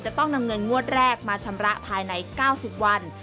ต้องนำเงินงวดแรกมาชำระภายใน๙๐วัน